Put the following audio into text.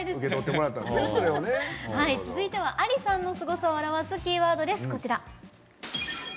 続いてはＡＬＩさんのすごさを表すキーワードです。